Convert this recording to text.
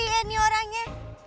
ini dia ini orangnya